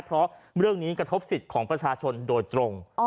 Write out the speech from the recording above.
เพราะเรื่องนี้กระทบสิทธิ์ของประชาชนโดยตรง